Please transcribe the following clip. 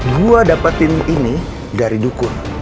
gue dapetin ini dari dukun